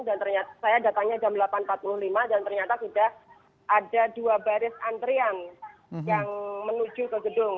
dan ternyata saya datangnya jam delapan empat puluh lima dan ternyata sudah ada dua baris antrian yang menuju ke gedung